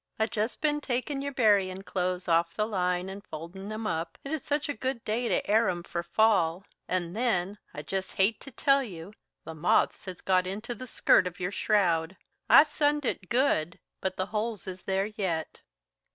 "I've jest ben takin' your buryin' clothes off the line an' foldin' 'em up. It is such a good day to air 'em for fall and, then, I jest hate to tell you! the moths has got into the skirt of your shroud. I sunned it good, but the holes is there yet."